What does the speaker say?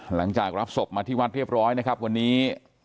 หลังจากรับศพมาที่วัดเรียบร้อยนะครับวันนี้